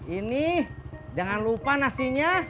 ini jangan lupa nasinya